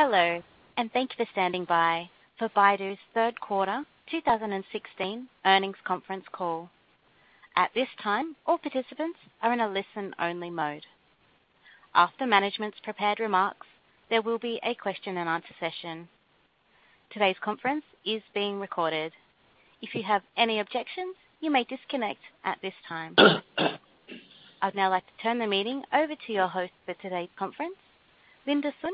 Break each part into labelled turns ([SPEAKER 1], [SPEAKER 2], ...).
[SPEAKER 1] Hello, thank you for standing by for Baidu's third quarter 2016 earnings conference call. At this time, all participants are in a listen-only mode. After management's prepared remarks, there will be a question and answer session. Today's conference is being recorded. If you have any objections, you may disconnect at this time. I'd now like to turn the meeting over to your host for today's conference, Linda Sun,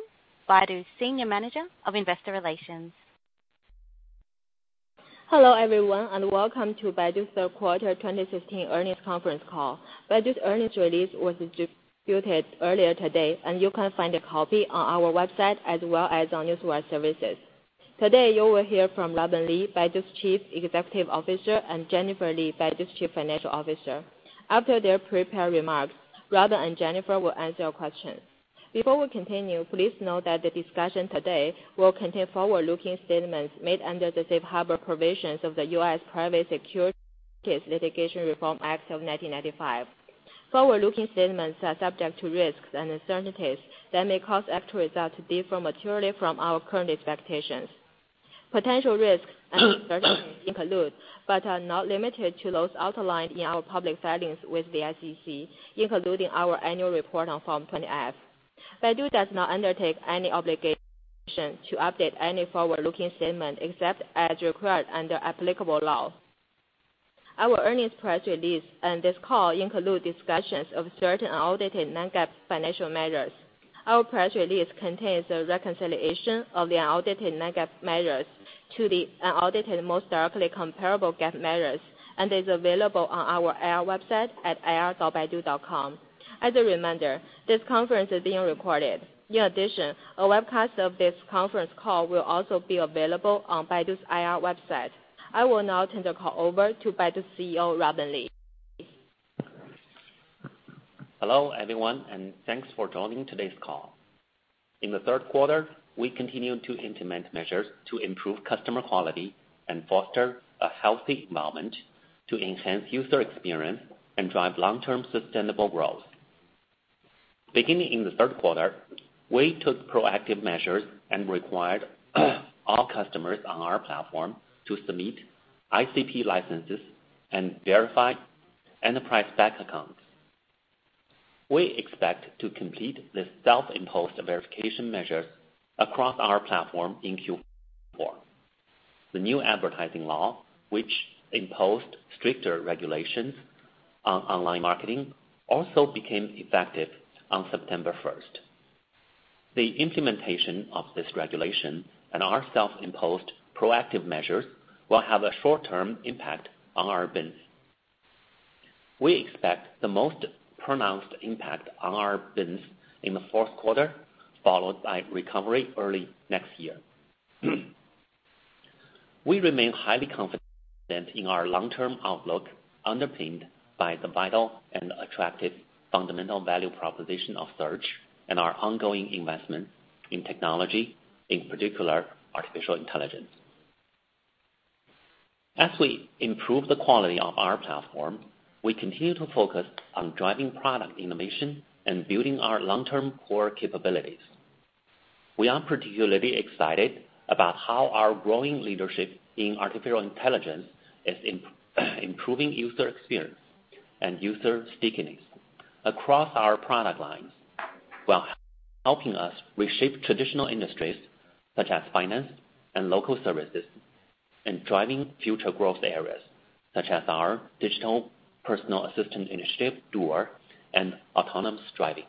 [SPEAKER 1] Baidu's Senior Manager of Investor Relations.
[SPEAKER 2] Hello, everyone, welcome to Baidu's third quarter 2016 earnings conference call. Baidu's earnings release was distributed earlier today, and you can find a copy on our website as well as on Newswire services. Today, you will hear from Robin Li, Baidu's Chief Executive Officer, and Jennifer Li, Baidu's Chief Financial Officer. After their prepared remarks, Robin and Jennifer will answer your questions. Before we continue, please note that the discussion today will contain forward-looking statements made under the Safe Harbor Provisions of the U.S. Private Securities Litigation Reform Act of 1995. Forward-looking statements are subject to risks and uncertainties that may cause actual results to differ materially from our current expectations. Potential risks and uncertainties include, but are not limited to, those outlined in our public filings with the SEC, including our annual report on Form 20-F. Baidu does not undertake any obligation to update any forward-looking statement except as required under applicable law. Our earnings press release and this call include discussions of certain audited non-GAAP financial measures. Our press release contains a reconciliation of the audited non-GAAP measures to the audited most directly comparable GAAP measures and is available on our IR website at ir.baidu.com. As a reminder, this conference is being recorded. In addition, a webcast of this conference call will also be available on Baidu's IR website. I will now turn the call over to Baidu CEO, Robin Li.
[SPEAKER 3] Hello, everyone, thanks for joining today's call. In the third quarter, we continued to implement measures to improve customer quality and foster a healthy environment to enhance user experience and drive long-term sustainable growth. Beginning in the third quarter, we took proactive measures and required all customers on our platform to submit ICP licenses and verify enterprise Baidu accounts. We expect to complete the self-imposed verification measures across our platform in Q4. The new advertising law, which imposed stricter regulations on online marketing, also became effective on September 1st. The implementation of this regulation and our self-imposed proactive measures will have a short-term impact on our business. We expect the most pronounced impact on our business in the fourth quarter, followed by recovery early next year. We remain highly confident in our long-term outlook, underpinned by the vital and attractive fundamental value proposition of search and our ongoing investment in technology, in particular, artificial intelligence. As we improve the quality of our platform, we continue to focus on driving product innovation and building our long-term core capabilities. We are particularly excited about how our growing leadership in artificial intelligence is improving user experience and user stickiness across our product lines, while helping us reshape traditional industries such as finance and local services, and driving future growth areas such as our digital personal assistant initiative, Duer, and autonomous driving.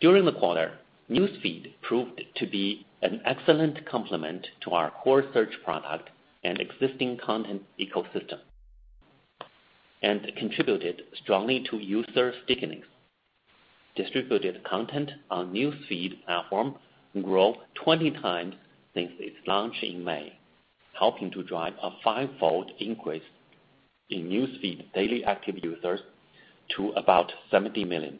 [SPEAKER 3] During the quarter, Newsfeed proved to be an excellent complement to our core search product and existing content ecosystem and contributed strongly to user stickiness. Distributed content on Newsfeed platform grew 20 times since its launch in May, helping to drive a fivefold increase in Newsfeed daily active users to about 70 million,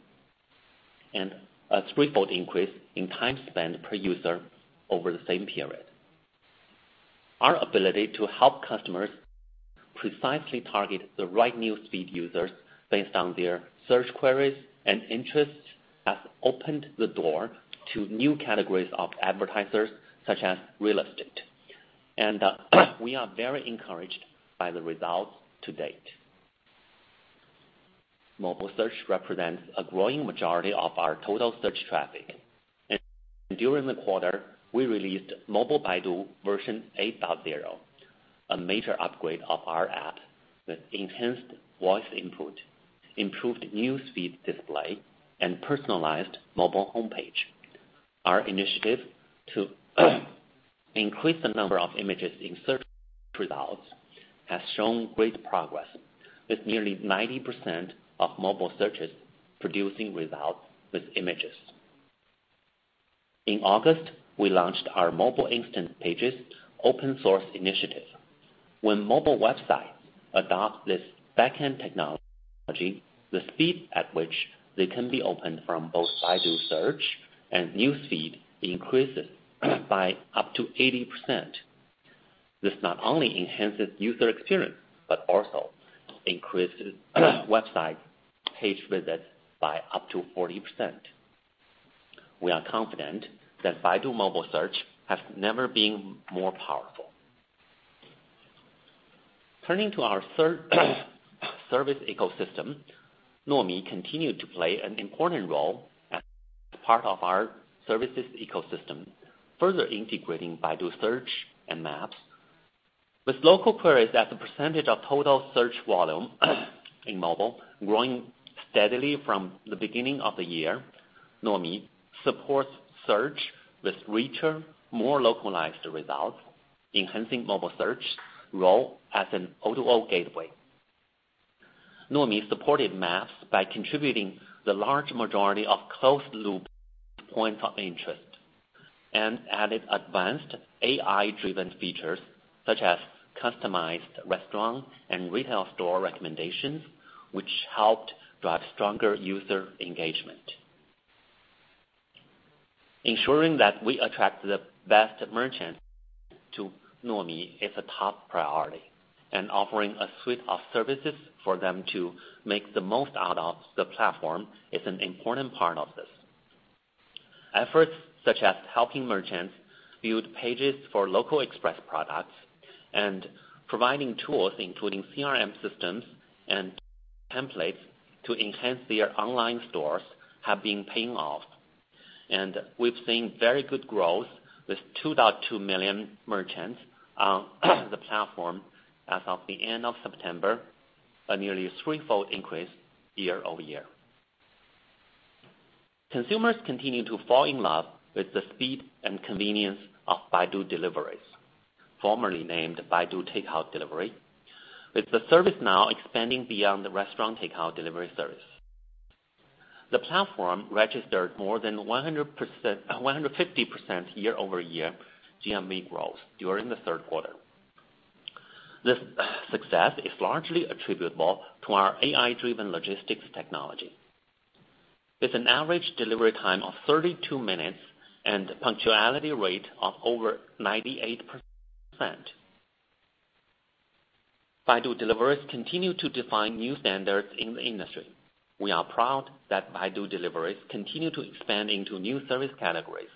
[SPEAKER 3] and a threefold increase in time spent per user over the same period. Our ability to help customers precisely target the right Newsfeed users based on their search queries and interests has opened the door to new categories of advertisers, such as real estate. We are very encouraged by the results to date. Mobile search represents a growing majority of our total search traffic. During the quarter, we released Mobile Baidu version 8.0, a major upgrade of our app with enhanced voice input, improved Newsfeed display, and personalized mobile homepage. Our initiative to increase the number of images in search results has shown great progress, with nearly 90% of mobile searches producing results with images. In August, we launched our Mobile Instant Pages open source initiative. When mobile websites adopt this back-end technology, the speed at which they can be opened from both Baidu Search and Newsfeed increases by up to 80%. This not only enhances user experience but also increases website page visits by up to 40%. We are confident that Baidu Mobile Search has never been more powerful. Turning to our service ecosystem, Nuomi continued to play an important role as part of our services ecosystem, further integrating Baidu Search and Baidu Maps. With local queries as a percentage of total search volume in mobile growing steadily from the beginning of the year, Nuomi supports search with richer, more localized results, enhancing mobile search role as an O2O gateway. Nuomi supported Baidu Maps by contributing the large majority of closed-loop points of interest and added advanced AI-driven features such as customized restaurant and retail store recommendations, which helped drive stronger user engagement. Ensuring that we attract the best merchants to Nuomi is a top priority, and offering a suite of services for them to make the most out of the platform is an important part of this. Efforts such as helping merchants build pages for local express products and providing tools including CRM systems and templates to enhance their online stores have been paying off. We've seen very good growth with 2.2 million merchants on the platform as of the end of September, a nearly threefold increase year-over-year. Consumers continue to fall in love with the speed and convenience of Baidu Deliveries, formerly named Baidu Takeout Delivery, with the service now expanding beyond the restaurant takeout delivery service. The platform registered more than 150% year-over-year GMV growth during the third quarter. This success is largely attributable to our AI-driven logistics technology. With an average delivery time of 32 minutes and punctuality rate of over 98%, Baidu Deliveries continue to define new standards in the industry. We are proud that Baidu Deliveries continue to expand into new service categories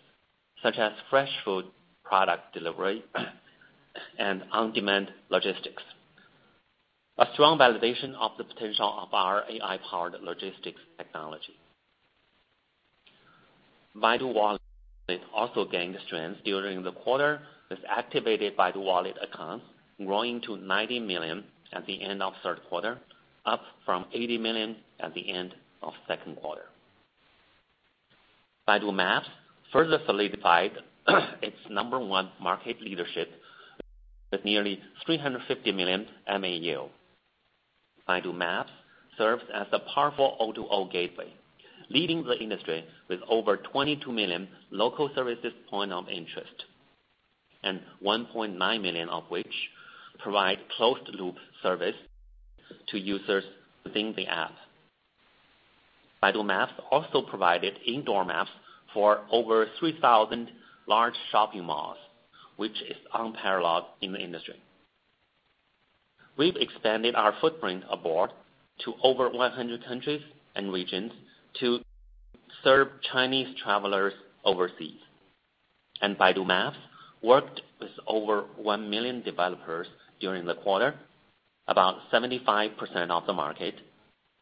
[SPEAKER 3] such as fresh food product delivery and on-demand logistics, a strong validation of the potential of our AI-powered logistics technology. Baidu Wallet is also gaining strength during the quarter, with activated Baidu Wallet accounts growing to 90 million at the end of the third quarter, up from 80 million at the end of the second quarter. Baidu Maps further solidified its number one market leadership with nearly 350 million MAU. Baidu Maps serves as a powerful O2O gateway, leading the industry with over 22 million local services point of interest, 1.9 million of which provide closed-loop service to users within the app. Baidu Maps also provided indoor maps for over 3,000 large shopping malls, which is unparalleled in the industry. We've expanded our footprint abroad to over 100 countries and regions to serve Chinese travelers overseas. Baidu Maps worked with over 1 million developers during the quarter, about 75% of the market,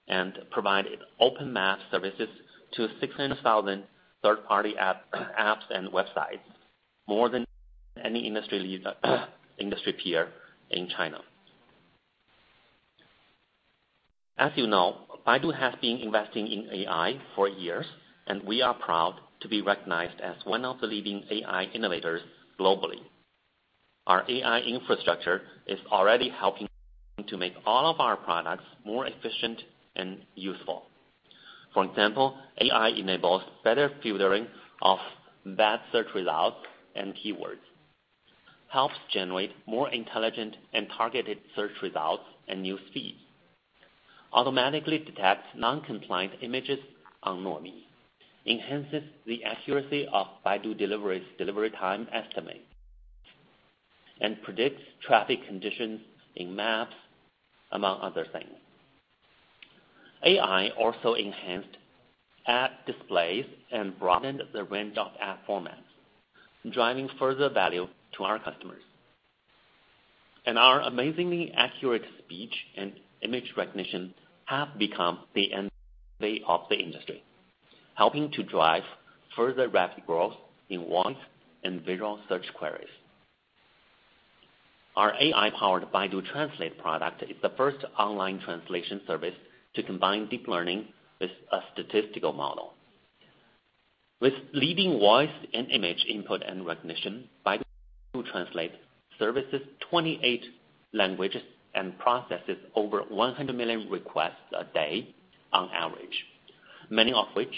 [SPEAKER 3] and provided open map services to 600,000 third-party apps and websites, more than any industry peer in China. As you know, Baidu has been investing in AI for years, and we are proud to be recognized as one of the leading AI innovators globally. Our AI infrastructure is already helping to make all of our products more efficient and useful. For example, AI enables better filtering of bad search results and keywords, helps generate more intelligent and targeted search results and Newsfeed, automatically detects non-compliant images on Nuomi, enhances the accuracy of Baidu Deliveries delivery time estimates, and predicts traffic conditions in Maps, among other things. AI also enhanced ad displays and broadened the range of ad formats, driving further value to our customers. Our amazingly accurate speech and image recognition have become the envy of the industry, helping to drive further rapid growth in voice and visual search queries. Our AI-powered Baidu Translate product is the first online translation service to combine deep learning with a statistical model. With leading voice and image input and recognition, Baidu Translate services 28 languages and processes over 100 million requests a day on average, many of which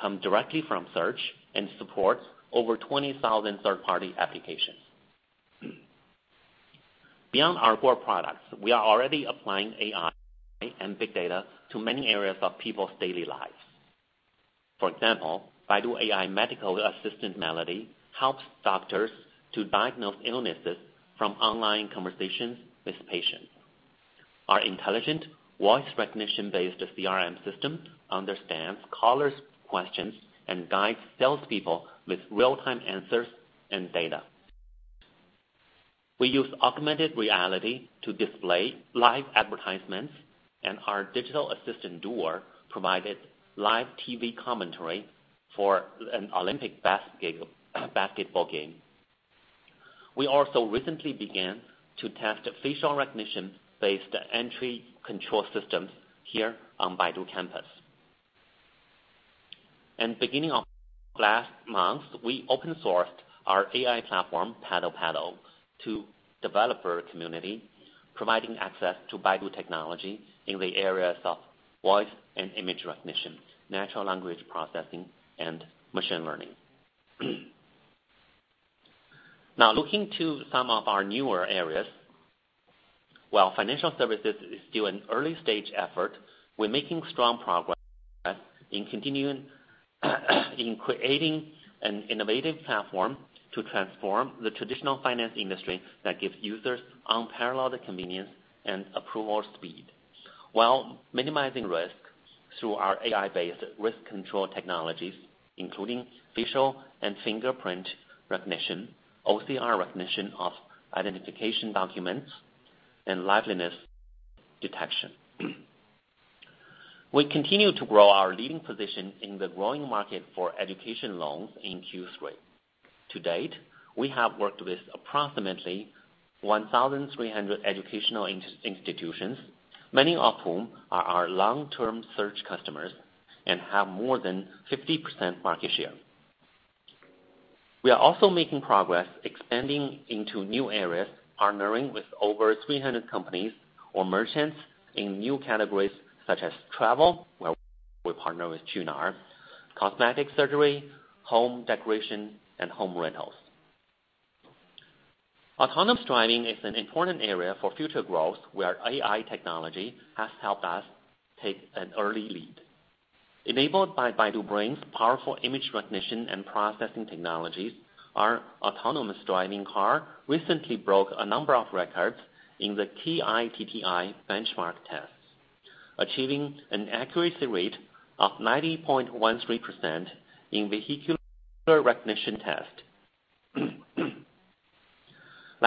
[SPEAKER 3] come directly from Search and support over 20,000 third-party applications. Beyond our core products, we are already applying AI and big data to many areas of people's daily lives. For example, Baidu AI medical assistant, Melody, helps doctors to diagnose illnesses from online conversations with patients. Our intelligent voice recognition-based CRM system understands callers' questions and guides salespeople with real-time answers and data. We use augmented reality to display live advertisements, and our digital assistant, Duer, provided live TV commentary for an Olympic basketball game. We also recently began to test facial recognition-based entry control systems here on Baidu Campus. In the beginning of last month, we open sourced our AI platform, PaddlePaddle, to developer community, providing access to Baidu technology in the areas of voice and image recognition, natural language processing, and machine learning. Now, looking to some of our newer areas. While financial services is still an early-stage effort, we're making strong progress in creating an innovative platform to transform the traditional finance industry that gives users unparalleled convenience and approval speed, while minimizing risk through our AI-based risk control technologies, including facial and fingerprint recognition, OCR recognition of identification documents, and liveness detection. We continue to grow our leading position in the growing market for education loans in Q3. To date, we have worked with approximately 1,300 educational institutions, many of whom are our long-term search customers and have more than 50% market share. We are also making progress expanding into new areas, partnering with over 300 companies or merchants in new categories such as travel, where we partner with Qunar, cosmetic surgery, home decoration, and home rentals. Autonomous driving is an important area for future growth, where AI technology has helped us take an early lead. Enabled by Baidu Brain's powerful image recognition and processing technologies, our Autonomous driving car recently broke a number of records in the KITTI benchmark tests, achieving an accuracy rate of 90.13% in vehicular recognition test.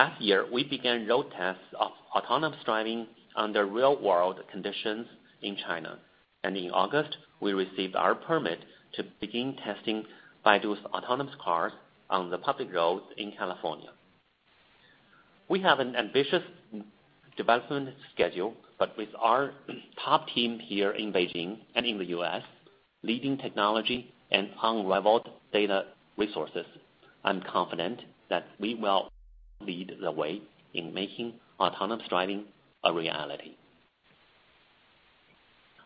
[SPEAKER 3] Last year, we began road tests of Autonomous driving under real-world conditions in China, and in August, we received our permit to begin testing Baidu's Autonomous cars on the public roads in California. We have an ambitious development schedule, but with our top team here in Beijing and in the U.S., leading technology, and unrivaled data resources, I'm confident that we will lead the way in making Autonomous driving a reality.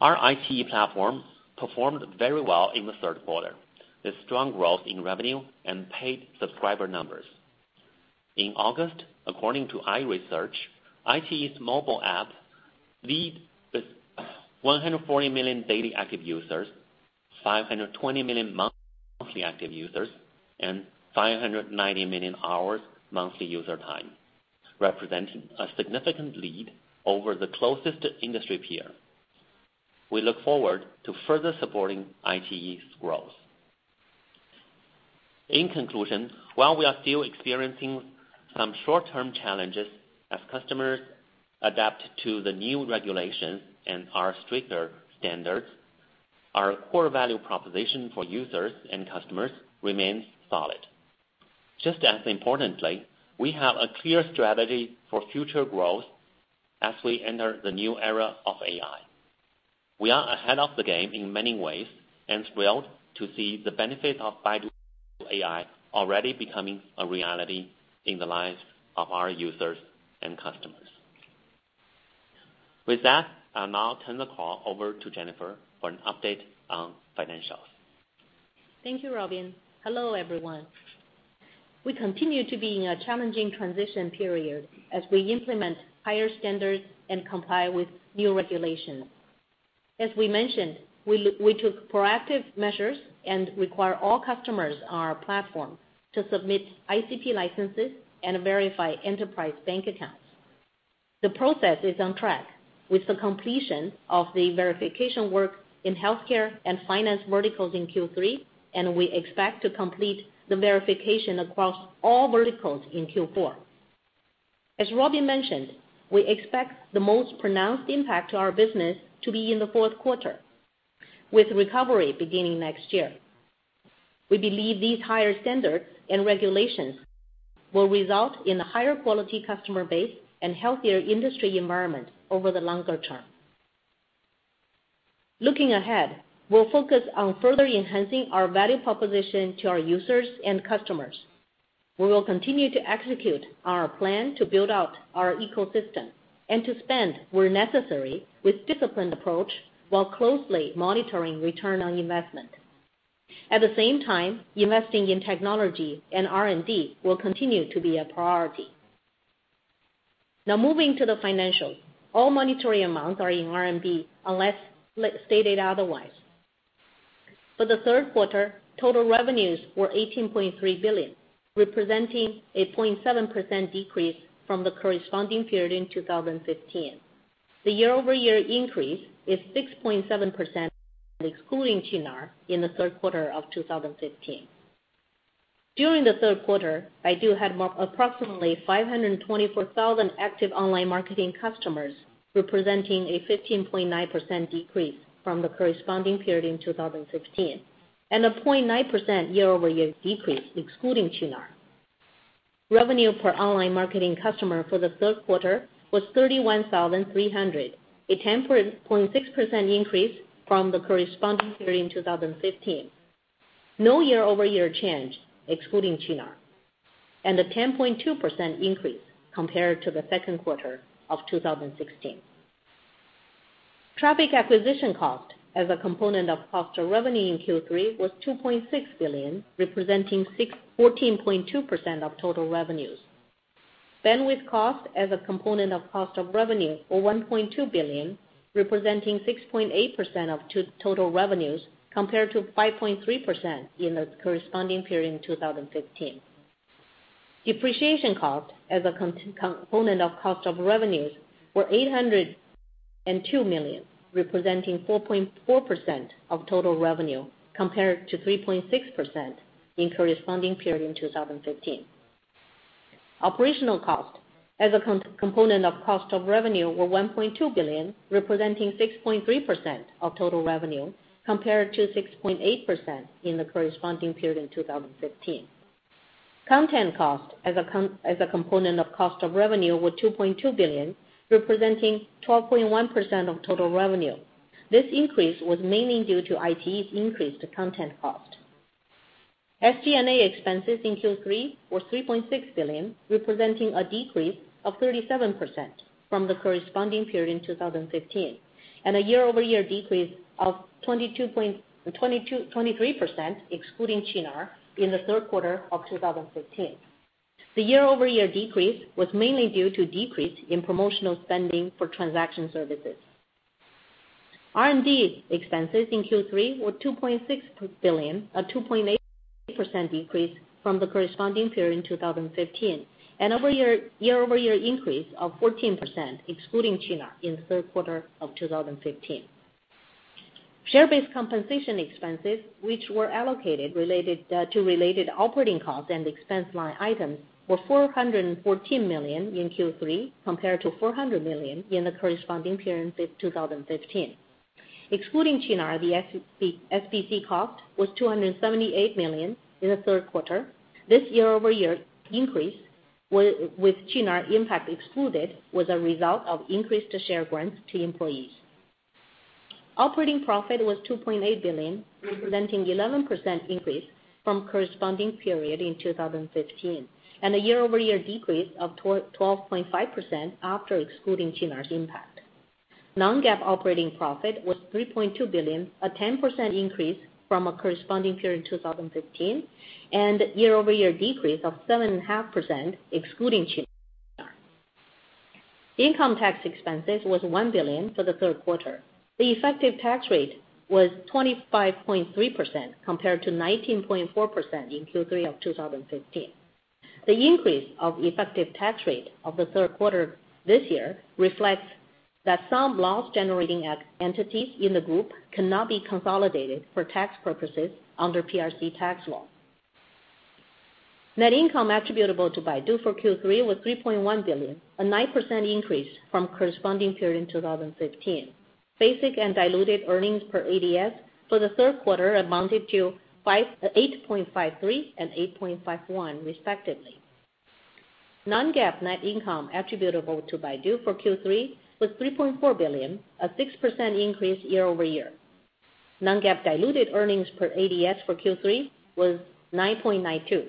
[SPEAKER 3] Our iQIYI platform performed very well in the third quarter, with strong growth in revenue and paid subscriber numbers. In August, according to iResearch, iQIYI's mobile app leads with 140 million daily active users, 520 million monthly active users, and 590 million hours monthly user time, representing a significant lead over the closest industry peer. We look forward to further supporting iQIYI's growth. In conclusion, while we are still experiencing some short-term challenges as customers adapt to the new regulations and our stricter standards, our core value proposition for users and customers remains solid. Just as importantly, we have a clear strategy for future growth as we enter the new era of AI. We are ahead of the game in many ways and thrilled to see the benefit of Baidu AI already becoming a reality in the lives of our users and customers. With that, I'll now turn the call over to Jennifer for an update on financials.
[SPEAKER 4] Thank you, Robin. Hello, everyone. We continue to be in a challenging transition period as we implement higher standards and comply with new regulations. As we mentioned, we took proactive measures and require all customers on our platform to submit ICP licenses and verify enterprise bank accounts. The process is on track with the completion of the verification work in healthcare and finance verticals in Q3, and we expect to complete the verification across all verticals in Q4. As Robin mentioned, we expect the most pronounced impact to our business to be in the fourth quarter, with recovery beginning next year. We believe these higher standards and regulations will result in a higher quality customer base and healthier industry environment over the longer term. Looking ahead, we'll focus on further enhancing our value proposition to our users and customers. We will continue to execute our plan to build out our ecosystem and to spend where necessary with disciplined approach while closely monitoring return on investment. At the same time, investing in technology and R&D will continue to be a priority. Moving to the financials. All monetary amounts are in RMB unless stated otherwise. For the third quarter, total revenues were RMB 18.3 billion, representing a 0.7% decrease from the corresponding period in 2015. The year-over-year increase is 6.7%, excluding Qunar, in the third quarter of 2015. During the third quarter, Baidu had approximately 524,000 active online marketing customers, representing a 15.9% decrease from the corresponding period in 2015, and a 0.9% year-over-year decrease excluding Qunar. Revenue per online marketing customer for the third quarter was 31,300, a 10.6% increase from the corresponding period in 2015. No year-over-year change, excluding Qunar, a 10.2% increase compared to the second quarter of 2016. Traffic acquisition cost as a component of cost of revenue in Q3 was 2.6 billion, representing 14.2% of total revenues. Bandwidth cost as a component of cost of revenue was 1.2 billion, representing 6.8% of total revenues, compared to 5.3% in the corresponding period in 2015. Depreciation cost as a component of cost of revenues were 802 million, representing 4.4% of total revenue, compared to 3.6% in corresponding period in 2015. Operational cost as a component of cost of revenue were 1.2 billion, representing 6.3% of total revenue, compared to 6.8% in the corresponding period in 2015. Content cost as a component of cost of revenue was 2.2 billion, representing 12.1% of total revenue. This increase was mainly due to iQIYI's increased content cost. SG&A expenses in Q3 were 3.6 billion, representing a decrease of 37% from the corresponding period in 2015, a year-over-year decrease of 23%, excluding Qunar in the third quarter of 2015. The year-over-year decrease was mainly due to decrease in promotional spending for transaction services. R&D expenses in Q3 were 2.8 billion, a 2.8% decrease from the corresponding period in 2015, year-over-year increase of 14%, excluding Qunar in the third quarter of 2015. Share-based compensation expenses, which were allocated to related operating costs and expense line items, were 414 million in Q3, compared to 400 million in the corresponding period in 2015. Excluding Qunar, the SBC cost was 278 million in the third quarter. This year-over-year increase, with Qunar impact excluded, was a result of increased share grants to employees. Operating profit was 2.8 billion, representing 11% increase from corresponding period in 2015, a year-over-year decrease of 12.5% after excluding Qunar's impact. Non-GAAP operating profit was 3.2 billion, a 10% increase from a corresponding period in 2015, year-over-year decrease of 7.5%, excluding Qunar. Income tax expenses was 1 billion for the third quarter. The effective tax rate was 25.3%, compared to 19.4% in Q3 of 2015. The increase of effective tax rate of the third quarter this year reflects that some loss generating entities in the group cannot be consolidated for tax purposes under PRC tax law. Net income attributable to Baidu for Q3 was 3.1 billion, a 9% increase from corresponding period in 2015. Basic and diluted earnings per ADS for the third quarter amounted to 8.53 and 8.51 respectively. Non-GAAP net income attributable to Baidu for Q3 was 3.4 billion, a 6% increase year-over-year. Non-GAAP diluted earnings per ADS for Q3 was 9.92.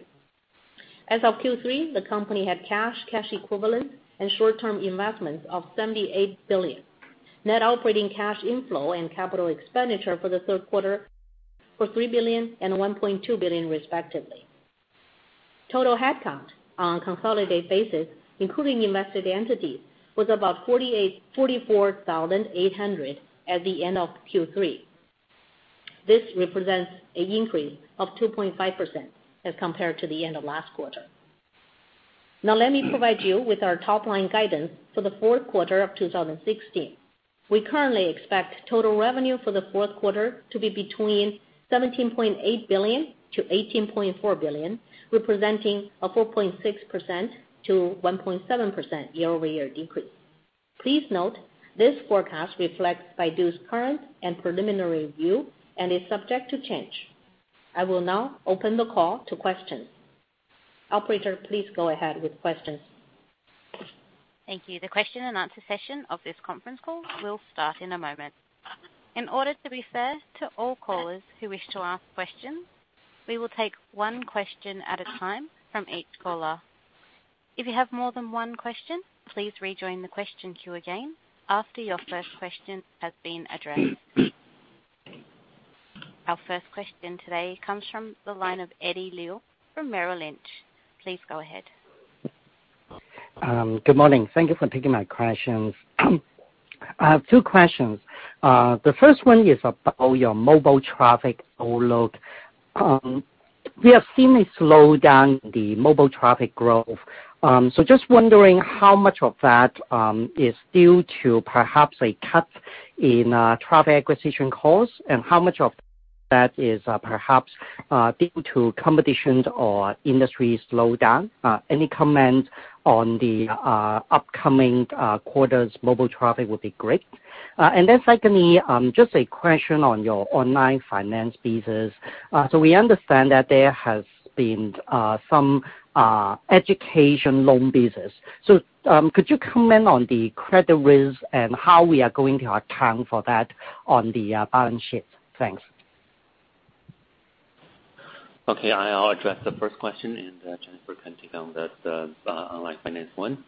[SPEAKER 4] As of Q3, the company had cash equivalents, and short-term investments of RMB 78 billion. Net operating cash inflow and capital expenditure for the third quarter were RMB 3 billion and RMB 1.2 billion respectively. Total headcount on a consolidated basis, including invested entities, was about 44,800 at the end of Q3. This represents an increase of 2.5% as compared to the end of last quarter. Let me provide you with our top-line guidance for the fourth quarter of 2016. We currently expect total revenue for the fourth quarter to be between 17.8 billion-18.4 billion, representing a 4.6%-1.7% year-over-year decrease. Please note, this forecast reflects Baidu's current and preliminary view and is subject to change. I will now open the call to questions. Operator, please go ahead with questions.
[SPEAKER 1] Thank you. The question and answer session of this conference call will start in a moment. In order to be fair to all callers who wish to ask questions, we will take one question at a time from each caller. If you have more than one question, please rejoin the question queue again after your first question has been addressed. Our first question today comes from the line of Eddie Leung from Merrill Lynch. Please go ahead.
[SPEAKER 5] Good morning. Thank you for taking my questions. I have two questions. The first one is about your mobile traffic outlook. We have seen a slowdown in the mobile traffic growth. Just wondering how much of that is due to perhaps a cut in traffic acquisition costs, and how much of that is perhaps due to competitions or industry slowdown. Any comment on the upcoming quarter's mobile traffic would be great. Secondly, just a question on your online finance business. We understand that there has been some education loan business. Could you comment on the credit risk and how we are going to account for that on the balance sheet? Thanks.
[SPEAKER 3] Okay. I'll address the first question, and Jennifer can take on the online finance one.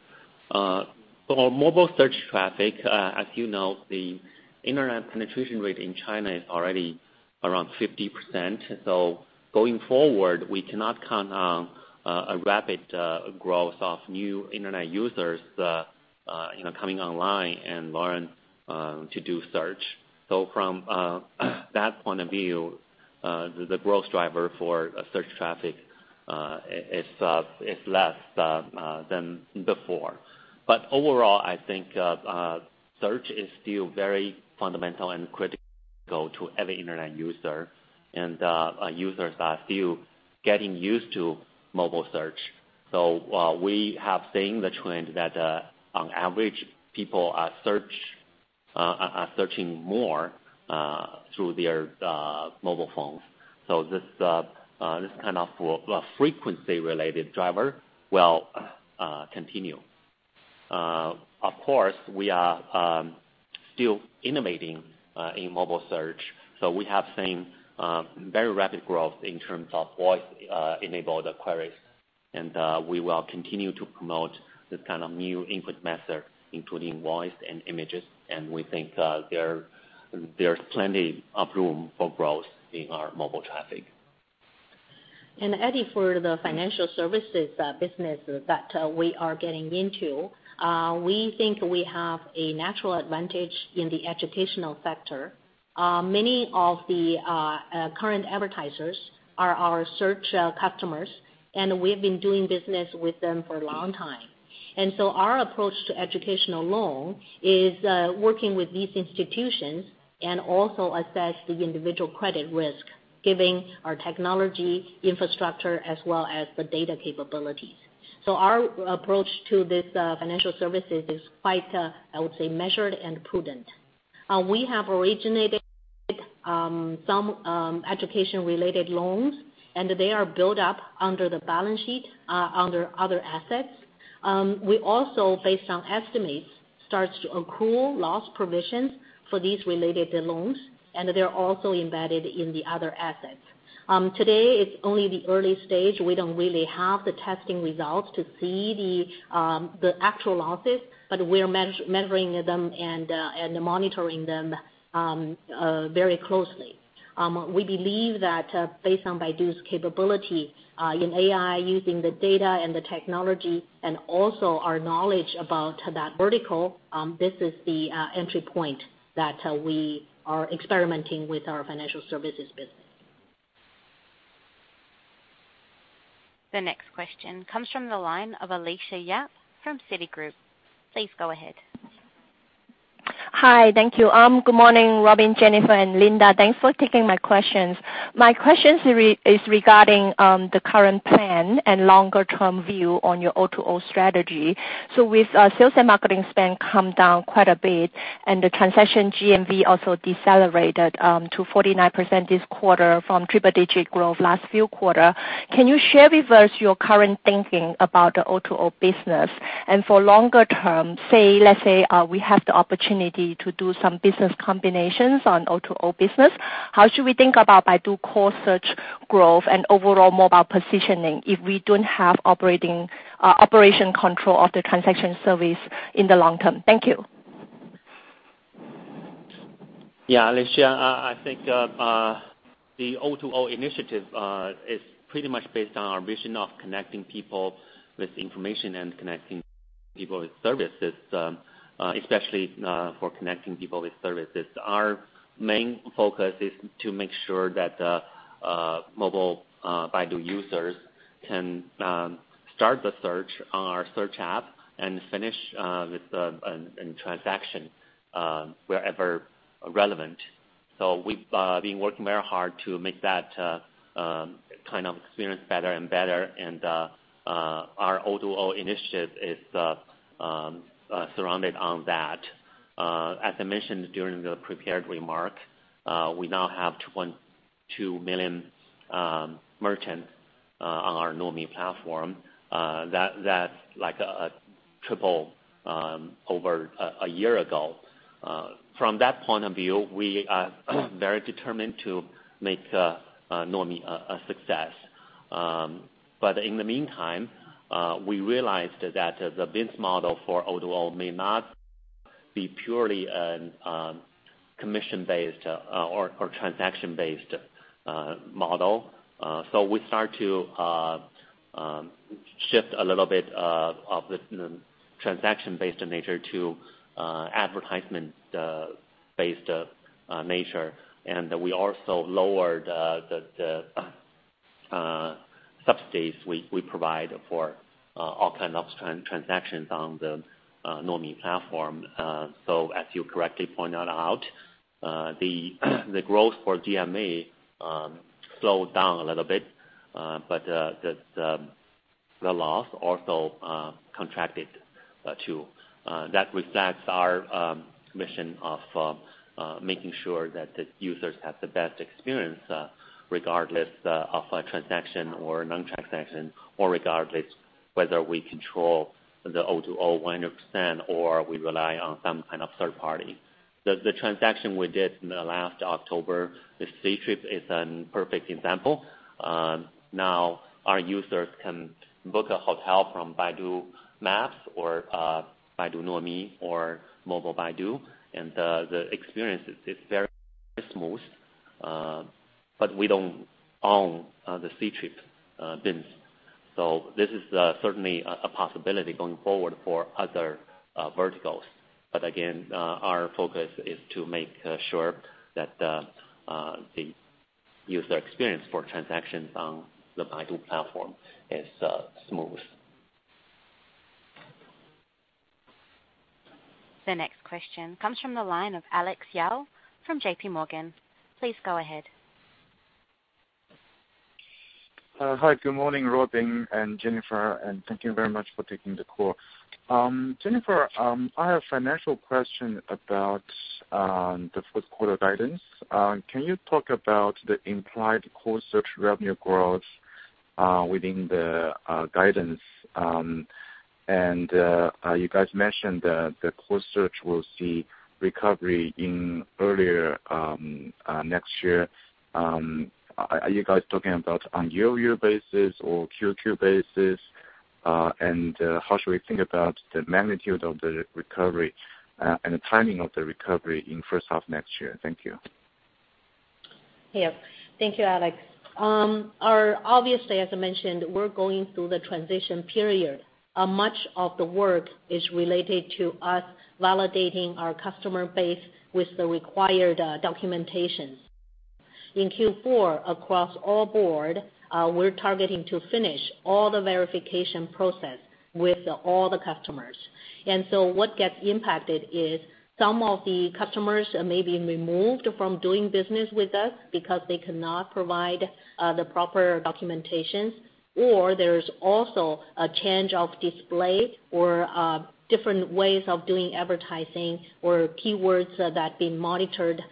[SPEAKER 3] Our mobile search traffic, as you know, the internet penetration rate in China is already around 50%. Going forward, we cannot count on a rapid growth of new internet users coming online and learn to do search. From that point of view, the growth driver for search traffic is less than before. Overall, I think search is still very fundamental and critical to every internet user and users are still getting used to mobile search. We have seen the trend that on average, people are searching more through their mobile phones. This kind of frequency-related driver will continue. Of course, we are still innovating in mobile search. We have seen very rapid growth in terms of voice-enabled queries. We will continue to promote this kind of new input method, including voice and images. We think there's plenty of room for growth in our mobile traffic.
[SPEAKER 4] Eddie, for the financial services business that we are getting into, we think we have a natural advantage in the educational sector. Many of the current advertisers are our search customers, and we've been doing business with them for a long time. Our approach to educational loan is working with these institutions and also assess the individual credit risk, giving our technology infrastructure as well as the data capabilities. Our approach to this financial services is quite, I would say, measured and prudent. We have originated some education-related loans, and they are built up under the balance sheet, under other assets. We also, based on estimates, starts to accrue loss provisions for these related loans, and they're also embedded in the other assets. Today, it's only the early stage. We don't really have the testing results to see the actual losses, but we're measuring them and monitoring them very closely. We believe that based on Baidu's capability in AI, using the data and the technology and also our knowledge about that vertical, this is the entry point that we are experimenting with our financial services business.
[SPEAKER 1] The next question comes from the line of Alicia Yap from Citigroup. Please go ahead.
[SPEAKER 6] Hi. Thank you. Good morning, Robin, Jennifer, and Linda. Thanks for taking my questions. My question is regarding the current plan and longer-term view on your O2O strategy. With sales and marketing spend come down quite a bit, and the transaction GMV also decelerated to 49% this quarter from triple digit growth last few quarter, can you share with us your current thinking about the O2O business? For longer term, let's say we have the opportunity to do some business combinations on O2O business, how should we think about Baidu Search growth and overall Mobile Baidu positioning if we don't have operation control of the transaction service in the long term? Thank you.
[SPEAKER 3] Yeah, Alicia, I think the O2O initiative is pretty much based on our vision of connecting people with information and connecting people with services, especially for connecting people with services. Our main focus is to make sure that Mobile Baidu users can start the search on our search app and finish in transaction wherever relevant. We've been working very hard to make that kind of experience better and better, and our O2O initiative is surrounded on that. As I mentioned during the prepared remark, we now have 2.2 million merchants on our Nuomi platform. That's like triple over a year ago. From that point of view, we are very determined to make Nuomi a success. In the meantime, we realized that the business model for O2O may not be purely commission-based or transaction-based model. We start to shift a little bit of the transaction-based nature to advertisement-based nature. We also lowered the subsidies we provide for all kind of transactions on the Nuomi platform. As you correctly pointed out, the growth for DMA slowed down a little bit. The loss also contracted too. That reflects our mission of making sure that the users have the best experience regardless of a transaction or non-transaction, or regardless whether we control the O2O 100% or we rely on some kind of third party. The transaction we did in the last October with Ctrip is an perfect example. Now our users can book a hotel from Baidu Maps or Baidu Nuomi or Mobile Baidu, and the experience is very smooth. We don't own the Ctrip business. This is certainly a possibility going forward for other verticals. Again, our focus is to make sure that the user experience for transactions on the Baidu platform is smooth.
[SPEAKER 1] The next question comes from the line of Alex Yao from JP Morgan. Please go ahead.
[SPEAKER 7] Hi, good morning, Robin and Jennifer, and thank you very much for taking the call. Jennifer, I have a financial question about the first quarter guidance. Can you talk about the implied core search revenue growth within the guidance? You guys mentioned the core search will see recovery in earlier, next year. Are you guys talking about on year-over-year basis or Q2 basis? How should we think about the magnitude of the recovery, and the timing of the recovery in first half next year? Thank you.
[SPEAKER 4] Thank you, Alex. Obviously, as I mentioned, we're going through the transition period. Much of the work is related to us validating our customer base with the required documentation. In Q4, across the board, we're targeting to finish all the verification process with all the customers. What gets impacted is some of the customers may be removed from doing business with us because they cannot provide the proper documentations, or there's also a change of display or different ways of doing advertising or keywords that being monitored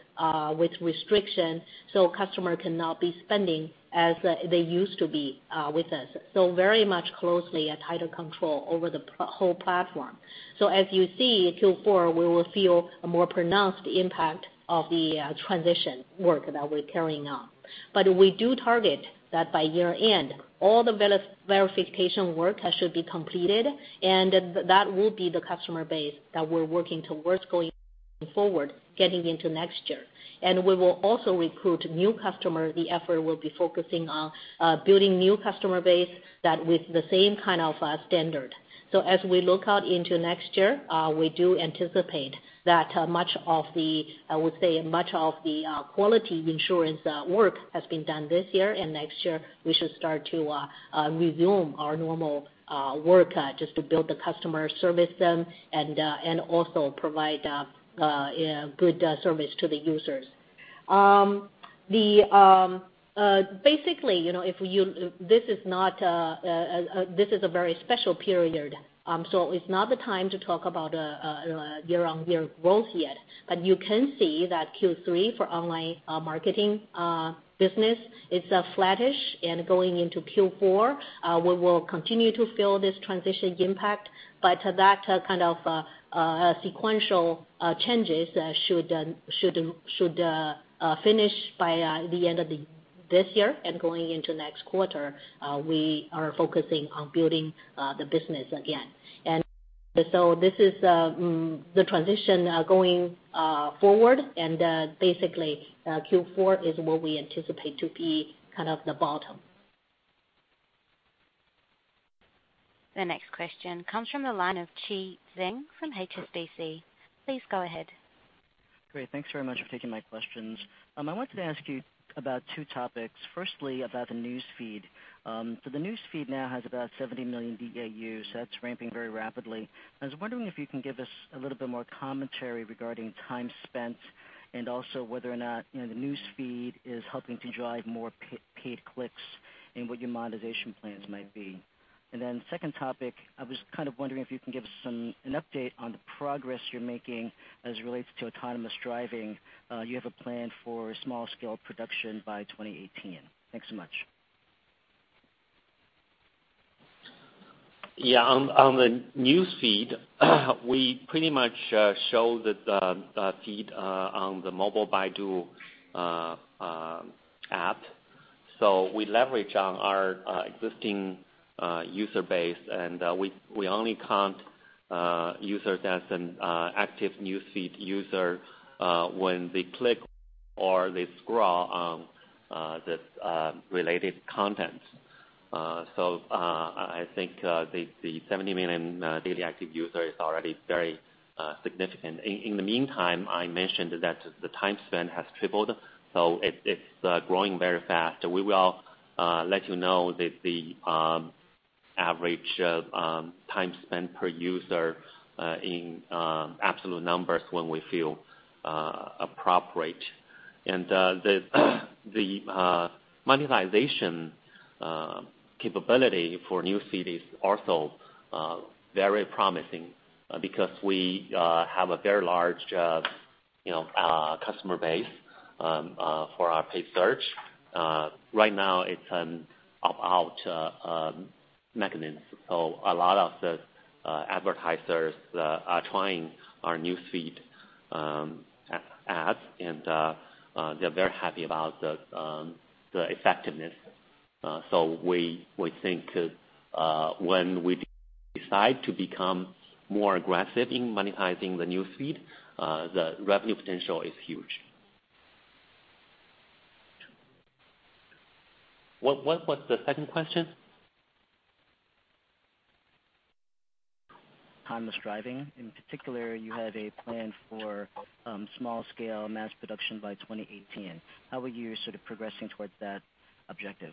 [SPEAKER 4] with restriction, so customer cannot be spending as they used to be with us. Very much closely a tighter control over the whole platform. As you see, Q4, we will feel a more pronounced impact of the transition work that we're carrying on. We do target that by year-end, all the verification work should be completed, and that will be the customer base that we're working towards going forward, getting into next year. We will also recruit new customer. The effort will be focusing on building new customer base that with the same kind of standard. As we look out into next year, we do anticipate that I would say much of the quality assurance work has been done this year, and next year we should start to resume our normal work just to build the customer service and also provide good service to the users. Basically, this is a very special period. It's not the time to talk about year-on-year growth yet. You can see that Q3 for online marketing business, it's flattish. Going into Q4, we will continue to feel this transition impact. That kind of sequential changes should finish by the end of this year. Going into next quarter, we are focusing on building the business again. This is the transition going forward, and basically Q4 is what we anticipate to be kind of the bottom.
[SPEAKER 1] The next question comes from the line of Chi Tsang from HSBC. Please go ahead.
[SPEAKER 8] Great. Thanks very much for taking my questions. I wanted to ask you about two topics. Firstly, about the Newsfeed. The Newsfeed now has about 70 million DAUs, so that's ramping very rapidly. I was wondering if you can give us a little bit more commentary regarding time spent, and also whether or not the Newsfeed is helping to drive more paid clicks and what your monetization plans might be. Then second topic, I was kind of wondering if you can give us an update on the progress you're making as it relates to autonomous driving. You have a plan for small-scale production by 2018. Thanks so much.
[SPEAKER 3] Yeah. On the Newsfeed, we pretty much show the feed on the Mobile Baidu app. We leverage on our existing user base, and we only count a user as an active Newsfeed user when they click or they scroll on the related content. I think the 70 million daily active users is already very significant. In the meantime, I mentioned that the time spent has tripled, so it's growing very fast. We will let you know the average time spent per user in absolute numbers when we feel appropriate. The monetization capability for Newsfeed is also very promising because we have a very large customer base for our paid search. Right now it's an opt-out mechanism, so a lot of the advertisers are trying our Newsfeed ads and they're very happy about the effectiveness. We think when we decide to become more aggressive in monetizing the News Feed, the revenue potential is huge. What's the second question?
[SPEAKER 8] Autonomous driving. In particular, you have a plan for small scale mass production by 2018. How are you progressing towards that objective?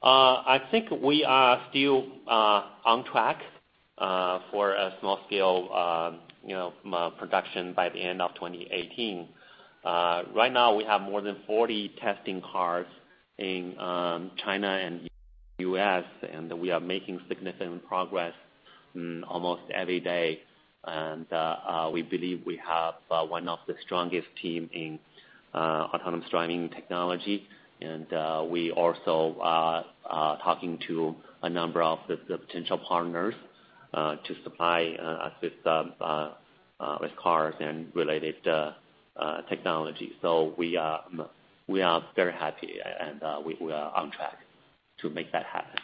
[SPEAKER 3] I think we are still on track for a small scale production by the end of 2018. Right now we have more than 40 testing cars in China and U.S., we are making significant progress almost every day. We believe we have one of the strongest teams in autonomous driving technology, we also are talking to a number of the potential partners to supply us with cars and related technology. We are very happy and we are on track to make that happen.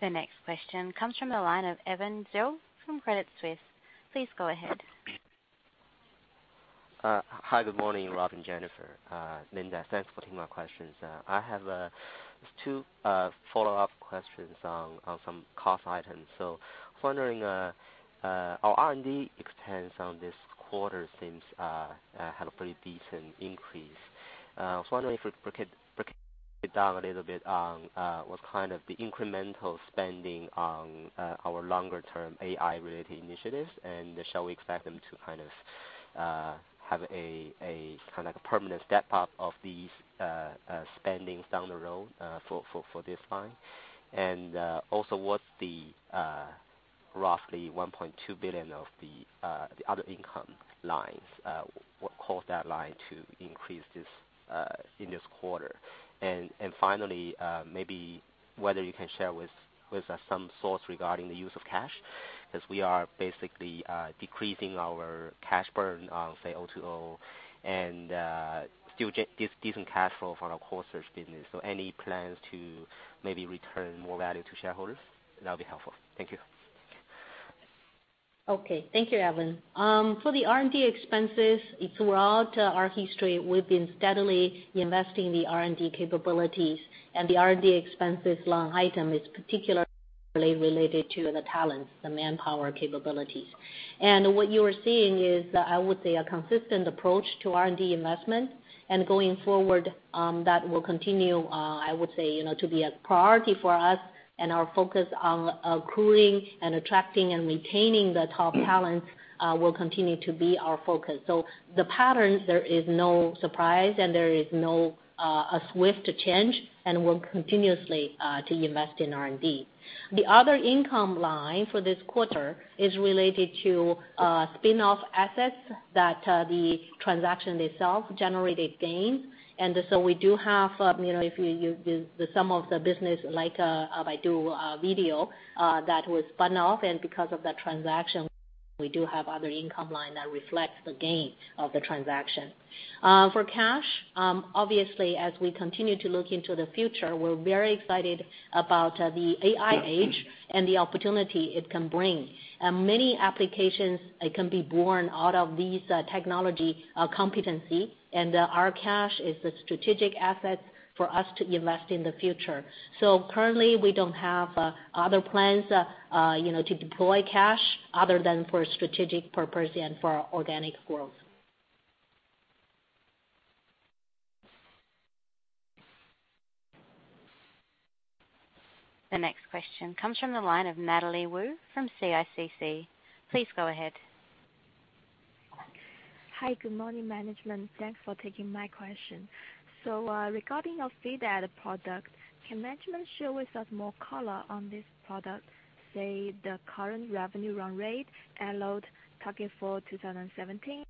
[SPEAKER 1] The next question comes from the line of Evan Zhou from Credit Suisse. Please go ahead.
[SPEAKER 9] Hi, good morning Robin Li and Jennifer Li. Linda Sun, thanks for taking my questions. I have two follow-up questions on some cost items. I was wondering, our R&D expense on this quarter seems had a pretty decent increase. I was wondering if we could break it down a little bit on what's the incremental spending on our longer term AI-related initiatives and shall we expect them to have a permanent step up of these spendings down the road for this line? What's the roughly 1.2 billion of the other income lines, what caused that line to increase in this quarter? Finally, maybe whether you can share with us some thoughts regarding the use of cash, as we are basically decreasing our cash burn on, say, O2O, and still decent cash flow from our core search business. Any plans to maybe return more value to shareholders, that'll be helpful. Thank you.
[SPEAKER 4] Thank you, Evan Zhou. For the R&D expenses, throughout our history, we've been steadily investing the R&D capabilities and the R&D expenses line item is particularly related to the talents, the manpower capabilities. What you are seeing is, I would say, a consistent approach to R&D investment. Going forward, that will continue, I would say, to be a priority for us and our focus on accruing and attracting and retaining the top talent will continue to be our focus. The patterns, there is no surprise and there is no swift change, and we'll continuously invest in R&D. The other income line for this quarter is related to spinoff assets that the transaction itself generated gains. We do have, if you do the sum of the business, like Baidu Video, that was spun off and because of that transaction, we do have other income line that reflects the gain of the transaction. For cash, obviously as we continue to look into the future, we're very excited about the AI age and the opportunity it can bring. Many applications can be born out of this technology competency and our cash is a strategic asset for us to invest in the future. Currently, we don't have other plans to deploy cash other than for strategic purposes and for our organic growth.
[SPEAKER 1] The next question comes from the line of Natalie Wu from CICC. Please go ahead.
[SPEAKER 10] Hi, good morning, management. Thanks for taking my question. Regarding your feed ad product, can management share with us more color on this product, say, the current revenue run rate, annual target for 2017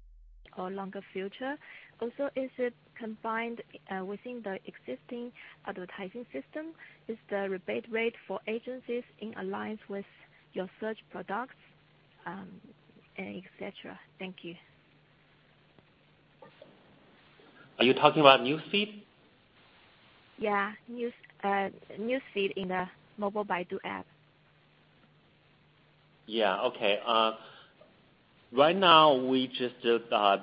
[SPEAKER 10] or longer future? Also, is it combined within the existing advertising system? Is the rebate rate for agencies in alliance with your search products, et cetera? Thank you.
[SPEAKER 3] Are you talking about Newsfeed?
[SPEAKER 10] Yeah. Newsfeed in the Mobile Baidu app.
[SPEAKER 3] Okay. Right now, we just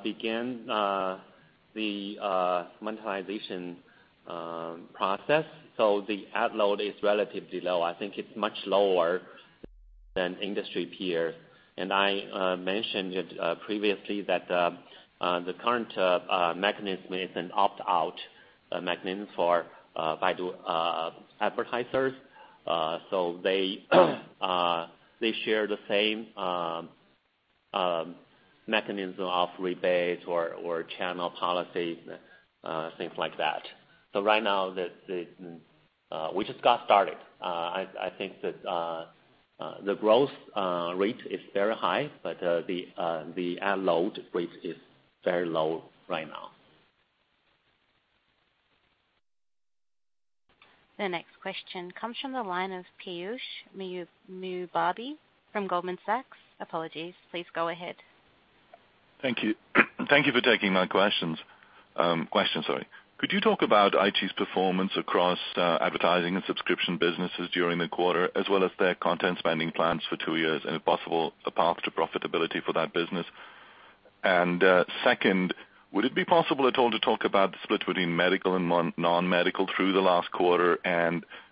[SPEAKER 3] began the monetization process, so the ad load is relatively low. I think it's much lower than industry peer. I mentioned it previously that the current mechanism is an opt-out mechanism for Baidu advertisers. They share the same mechanism of rebates or channel policies, things like that. Right now, we just got started. I think that the growth rate is very high, but the ad load rate is very low right now.
[SPEAKER 1] The next question comes from the line of Piyush Mubayi from Goldman Sachs. Apologies. Please go ahead.
[SPEAKER 11] Thank you. Thank you for taking my questions. Could you talk about iQIYI's performance across advertising and subscription businesses during the quarter as well as their content spending plans for two years, if possible, a path to profitability for that business? Second, would it be possible at all to talk about the split between medical and non-medical through the last quarter?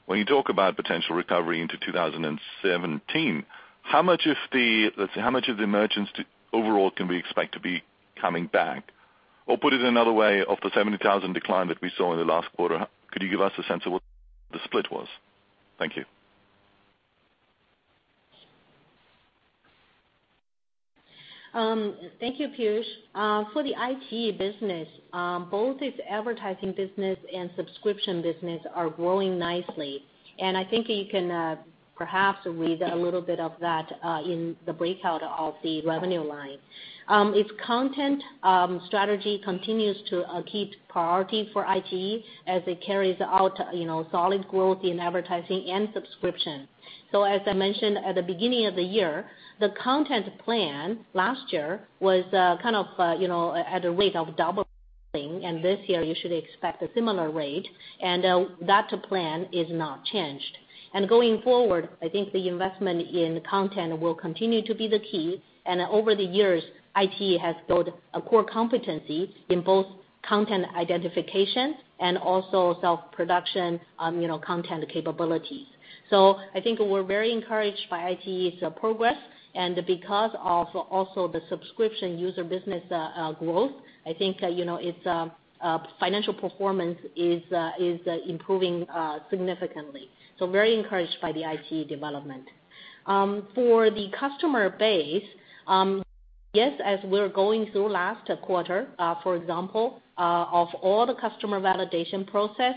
[SPEAKER 11] When you talk about potential recovery into 2017, how much of the emergence overall can we expect to be coming back? Put it another way, of the 70,000 decline that we saw in the last quarter, could you give us a sense of what the split was? Thank you.
[SPEAKER 4] Thank you, Piyush. For the iQIYI business, both its advertising business and subscription business are growing nicely, I think you can perhaps read a little bit of that in the breakout of the revenue line. Its content strategy continues to keep priority for iQIYI as it carries out solid growth in advertising and subscription. As I mentioned at the beginning of the year, the content plan last year was at a rate of double this year you should expect a similar rate, that plan is not changed. Going forward, I think the investment in content will continue to be the key. Over the years, iQIYI has built a core competency in both content identification and also self-production content capabilities. I think we're very encouraged by iQIYI's progress. Because of also the subscription user business growth, I think its financial performance is improving significantly. Very encouraged by the iQIYI development. For the customer base, yes, as we're going through last quarter, for example, of all the customer validation process,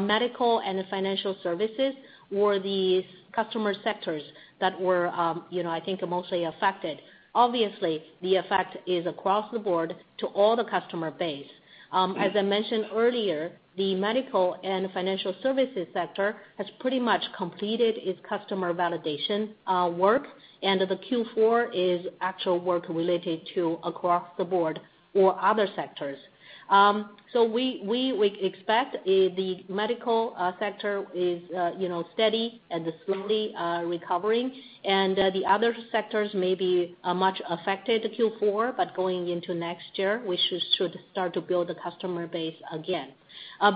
[SPEAKER 4] medical and financial services were the customer sectors that were I think are mostly affected. Obviously, the effect is across the board to all the customer base. As I mentioned earlier, the medical and financial services sector has pretty much completed its customer validation work, and the Q4 is actual work related to across the board or other sectors. We expect the medical sector is steady and is slowly recovering, and the other sectors may be much affected Q4, but going into next year, we should start to build a customer base again.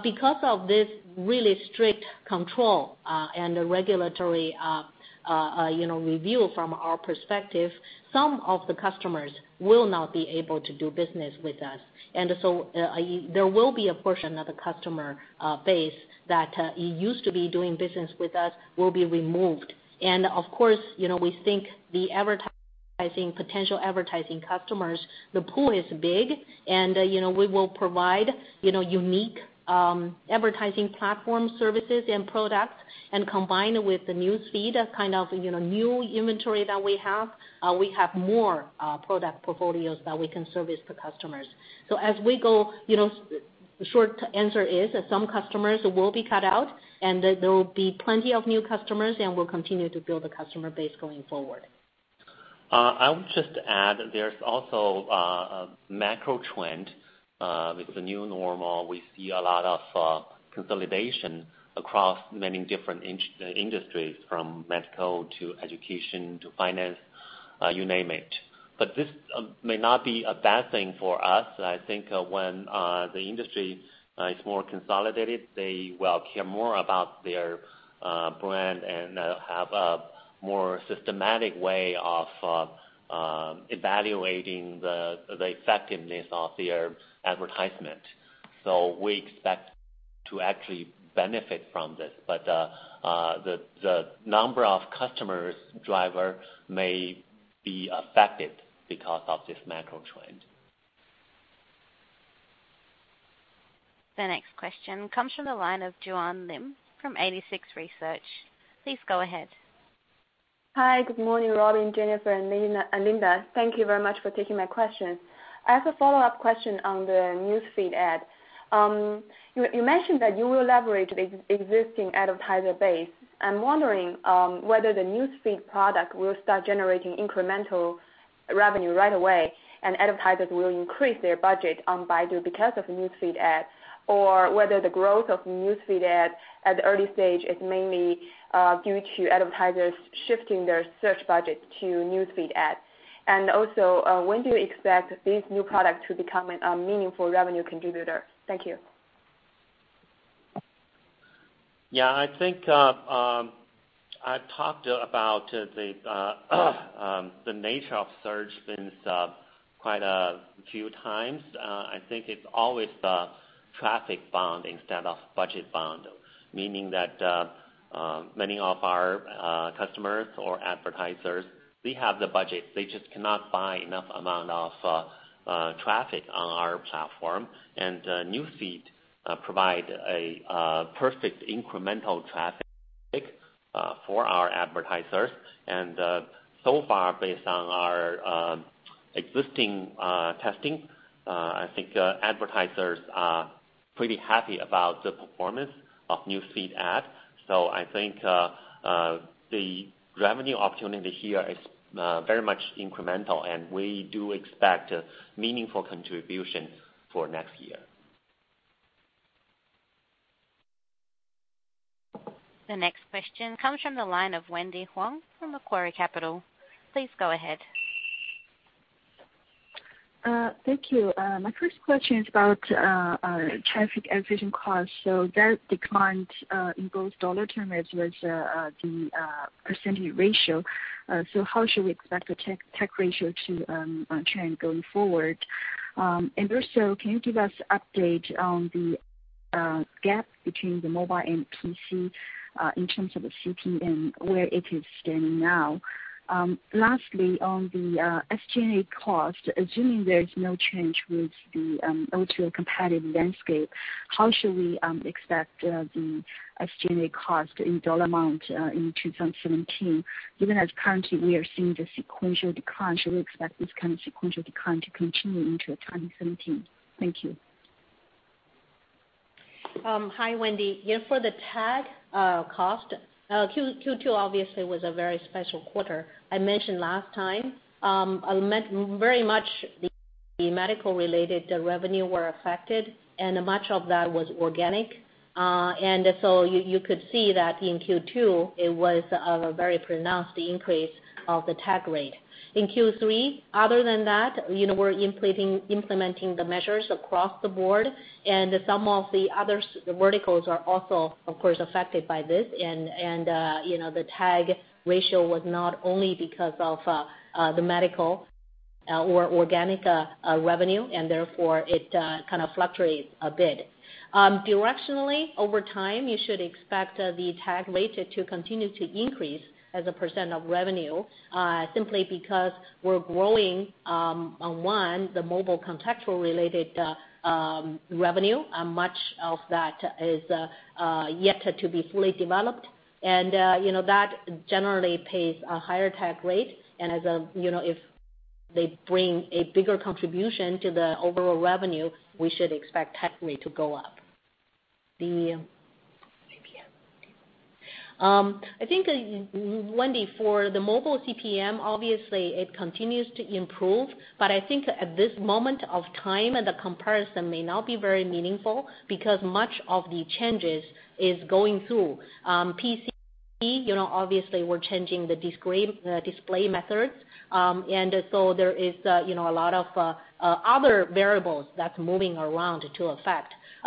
[SPEAKER 4] Because of this really strict control and the regulatory review from our perspective, some of the customers will not be able to do business with us. There will be a portion of the customer base that used to be doing business with us will be removed. Of course, we think the potential advertising customers, the pool is big, and we will provide unique advertising platform services and products, and combined with the Newsfeed, that kind of new inventory that we have, we have more product portfolios that we can service the customers. The short answer is that some customers will be cut out, and there will be plenty of new customers, and we'll continue to build the customer base going forward.
[SPEAKER 3] I would just add, there's also a macro trend with the new normal. We see a lot of consolidation across many different industries, from medical to education to finance, you name it. This may not be a bad thing for us. I think when the industry is more consolidated, they will care more about their brand and have a more systematic way of evaluating the effectiveness of their advertisement. We expect to actually benefit from this, but the number of customers driver may be affected because of this macro trend.
[SPEAKER 1] The next question comes from the line of Joanne Lim from 86Research. Please go ahead.
[SPEAKER 12] Hi. Good morning, Robin, Jennifer, and Linda. Thank you very much for taking my questions. I have a follow-up question on the Newsfeed ad. You mentioned that you will leverage the existing advertiser base. I'm wondering whether the Newsfeed product will start generating incremental revenue right away, and advertisers will increase their budget on Baidu because of Newsfeed ad, or whether the growth of Newsfeed ad at the early stage is mainly due to advertisers shifting their search budget to Newsfeed ad. Also, when do you expect this new product to become a meaningful revenue contributor? Thank you.
[SPEAKER 3] Yeah, I think I've talked about the nature of search quite a few times. I think it's always the traffic bound instead of budget bound, meaning that many of our customers or advertisers, they have the budget. They just cannot buy enough amount of traffic on our platform. Newsfeed provide a perfect incremental traffic for our advertisers. So far, based on our existing testing, I think advertisers are pretty happy about the performance of Newsfeed ad. I think the revenue opportunity here is very much incremental, and we do expect meaningful contribution for next year.
[SPEAKER 1] The next question comes from the line of Wendy Huang from Macquarie Capital. Please go ahead.
[SPEAKER 13] Thank you. My first question is about traffic acquisition cost. That declined in both dollar term as well as the percentage ratio. How should we expect the TAC ratio to trend going forward? Also, can you give us update on the gap between the mobile and PC, in terms of the CPM, where it is standing now? Lastly, on the SG&A cost, assuming there is no change with the O2O competitive landscape, how should we expect the SG&A cost in dollar amount in 2017, given that currently we are seeing the sequential decline? Should we expect this kind of sequential decline to continue into 2017? Thank you.
[SPEAKER 4] Hi, Wendy. For the TAC cost, Q2 obviously was a very special quarter. I mentioned last time, very much the medical-related revenue were affected, and much of that was organic. So you could see that in Q2, it was a very pronounced increase of the TAC rate. In Q3, other than that, we're implementing the measures across the board, and some of the other verticals are also, of course, affected by this. The TAC ratio was not only because of the medical or organic revenue, and therefore it kind of fluctuates a bit. Directionally, over time, you should expect the TAC rate to continue to increase as a % of revenue, simply because we're growing the mobile contextual-related revenue. Much of that is yet to be fully developed. That generally pays a higher TAC rate, and if they bring a bigger contribution to the overall revenue, we should expect TAC rate to go up. The CPM. I think, Wendy, for the mobile CPM, obviously, it continues to improve, but I think at this moment of time, the comparison may not be very meaningful because much of the changes is going through PC. Obviously, we're changing the display methods, so there is a lot of other variables that's moving around to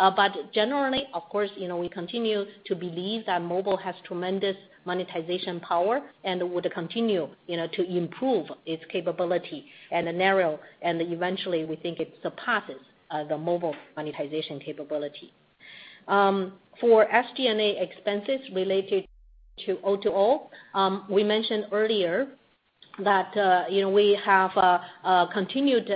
[SPEAKER 4] effect. Generally, of course, we continue to believe that mobile has tremendous monetization power and would continue to improve its capability and the narrow, and eventually, we think it surpasses the mobile monetization capability. For SG&A expenses related to O2O, we mentioned earlier that we have a continued